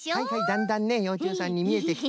だんだんねようちゅうさんにみえてきた。